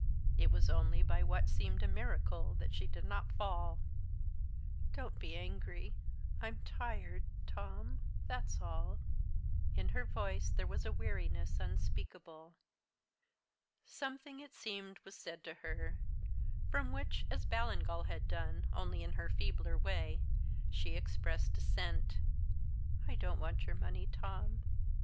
It was only by what seemed a miracle that she did not fall. "Don't be angry I'm tired Tom that's all." In her voice there was a weariness unspeakable. Something, it seemed, was said to her from which, as Ballingall had done, only in her feebler way, she expressed dissent. "I don't want your money, Tom.